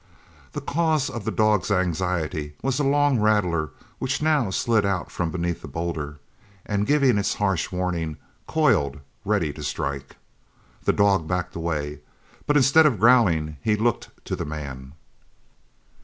The cause of the dog's anxiety was a long rattler which now slid out from beneath a boulder, and giving its harsh warning, coiled, ready to strike. The dog backed away, but instead of growling he looked to the man.